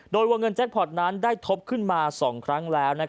โดยวงเงินแจ็คพอร์ตนั้นได้ทบขึ้นมา๒ครั้งแล้ว